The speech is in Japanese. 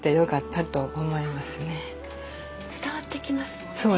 伝わってきますもんね。